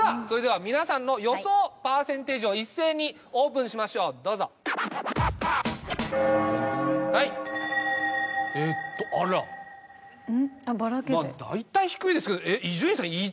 それでは皆さんの予想パーセンテージを一斉にオープンしましょうどうぞえっとあら大体低いですけどうん？